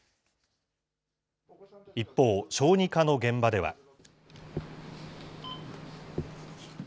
一方、小児科の現場では。